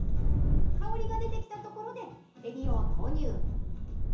香りが出てきたところで、エビを投入。